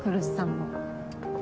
も